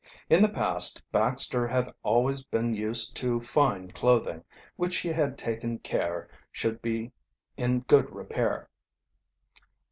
In the past Baxter had always been used to fine clothing, which he had taken care should be in good repair.